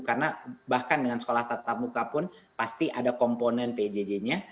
karena bahkan dengan sekolah tatap buka pun pasti ada komponen pjj nya